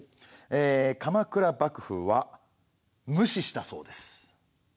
ええ鎌倉幕府は無視したそうです。